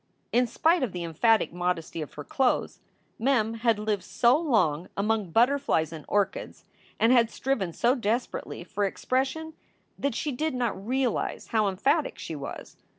In spite of the emphatic modesty of her clothes, Mem had lived so long among butter 392 SOULS FOR SALE flies and orchids, and had striven so desperately for expres sion, that she did not realize how emphatic she was.